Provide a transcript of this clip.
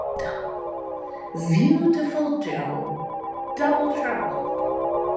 Viewtiful Joe: Double Trouble!